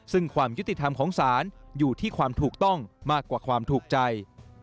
ซึ่งความยุติธรรมของศาลอยู่ที่ความถูกต้องมากกว่าความถูกใจ